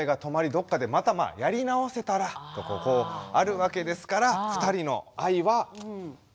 どっかでまたやり直せたら」とこうあるわけですからふたりの愛は。